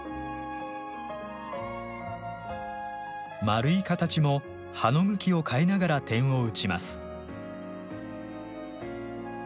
丸い形も葉の向きを変えながら点をうちます。